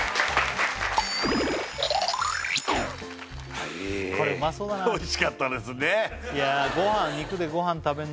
はいこれうまそうだなおいしかったですね